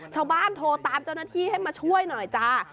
ชาวบ้านโทรตามเจ้าหน้าที่ให้มาช่วยหน่อยจ้า